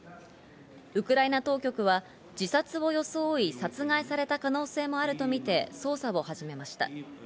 ウクライナ当局は自殺を装い殺害された可能性もあるとみて捜査を始めました。